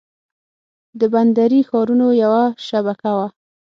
د بندري ښارونو یوه شبکه وه